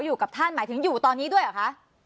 อยู่กับท่านหมายถึงอยู่ตอนนี้ด้วยเหรอคะ